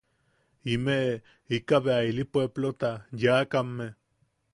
Imeʼe ika bea ili pueplota yaakamme.